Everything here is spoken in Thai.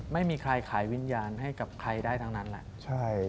ไม่มีใครขายวิญญาณให้กับใครได้ทั้งนั้นแหละ